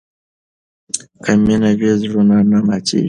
که مینه وي، زړونه نه ماتېږي.